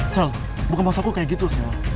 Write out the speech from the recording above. sel bukan maksud aku kayak gitu sel